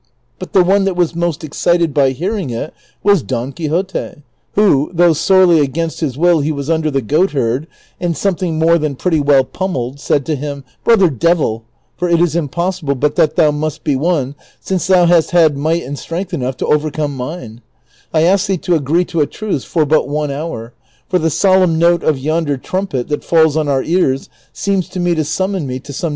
But the one that Avas most excited by hearing it Avas Don Quixote, Avho, though sorely against his Avill he Avas under the goatherd, and something more than pretty Avell pummelled, said to him, " Brother devil (for it is impossible but that thou must be one since thou hast had might ami sti ength enough to overcome mine), I ask thee to agree to a truce for but one hour, for the solemn note of yonder trumpet that falls on our ears seems to me to summon me to some ucav adventure."